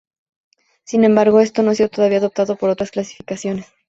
Sin embargo, esto no ha sido todavía adoptado por otras clasificaciones.